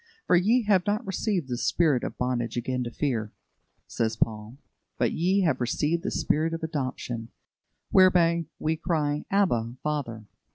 "For ye have not received the spirit of bondage again to fear," says Paul, "but ye have received the spirit of adoption, whereby we cry, Abba, Father.